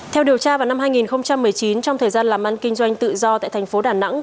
theo điều tra vào năm hai nghìn một mươi chín trong thời gian làm ăn kinh doanh tự do tại thành phố đà nẵng